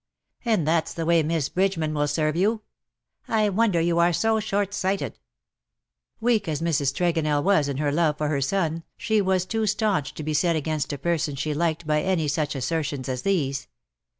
And that's the way Miss Bridgeman will serve you. I wonder you are so short sighted !" Weak as Mrs. Tregonell was in her love for her son, she was too staunch to be set against a person she liked by any such assertions as these.